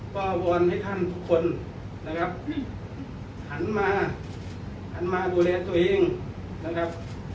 ก็วอนให้ท่านทุกคนหันมาดูแลตัวเองนะครับ